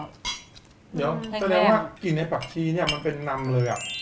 เจริญว่ากินไปปากชี้มันเป็นนำเลย